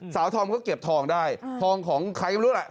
สาวธอมก็เก็บทองได้ทองของใครไม่รู้ล่ะ